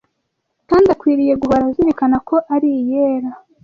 kandi akwiriye guhora azirikana ko ari iyera,